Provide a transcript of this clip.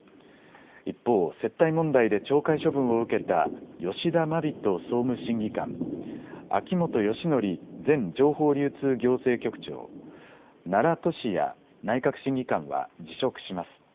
一方、接待問題で懲戒処分を受けた吉田眞人総務審議官、秋本芳徳前情報流通行政局長、奈良俊哉内閣審議官は辞職します。